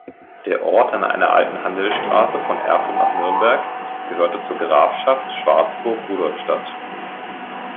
Der Ort an einer alten Handelsstraße von Erfurt nach Nürnberg gehörte zur Grafschaft Schwarzburg-Rudolstadt.